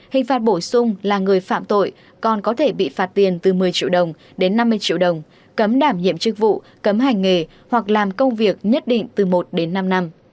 hình phạt bổ sung là người phạm tội còn có thể bị phạt tiền từ một mươi triệu đồng đến năm mươi triệu đồng cấm đảm nhiệm chức vụ cấm hành nghề hoặc làm công việc nhất định từ một đến năm năm